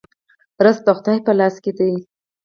رزق د خدای په لاس کې دی